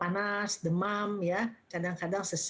karena itu semuanya kan gejala saluran nafas atas